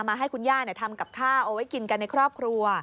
ให้คุณย่าทำกับข้าวเอาไว้กินกันในครอบครัว